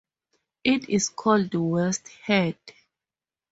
It is called West Head.